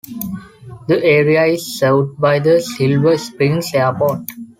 The area is served by the Silver Springs Airport.